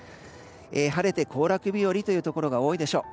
晴れて行楽日和というところが多いでしょう。